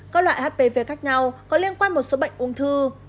các loại hpv khác nhau có liên quan một số bệnh ung thư